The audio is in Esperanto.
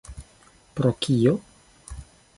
Pro kio?